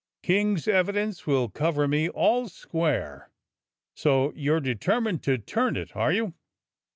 "King's evidence will cover me all square." "So you're determined to turn it, are you.